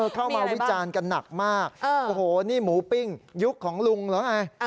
เข้ามาวิจารณ์กันหนักมากโอ้โหนี่หมูปิ้งยุคของลุงเหรอไง